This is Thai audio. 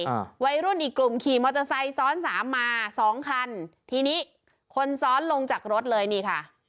อ่าวัยรุ่นอีกกลุ่มขี่มอเตอร์ไซค์ซ้อนสามมาสองคันทีนี้คนซ้อนลงจากรถเลยนี่ค่ะ